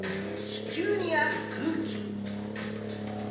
地球にある空気。